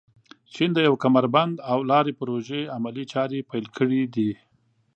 چین د یو کمربند او لارې پروژې عملي چارې پيل کړي دي.